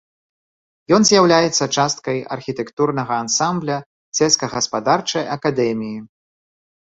Ён з'яўляецца часткай архітэктурнага ансамбля сельскагаспадарчай акадэміі.